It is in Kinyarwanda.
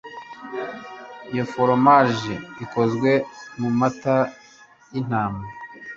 Iyo foromaje ikozwe mumata yintama